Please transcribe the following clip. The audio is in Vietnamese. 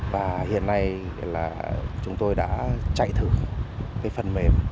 và hiện nay chúng tôi đã chạy thử phần mềm